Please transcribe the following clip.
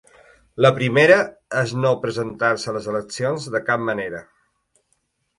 La primera és no presentar-se a les eleccions de cap manera.